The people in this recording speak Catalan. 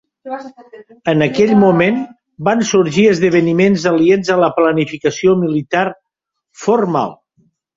En aquell moment, van sorgir esdeveniments aliens a la planificació militar formal.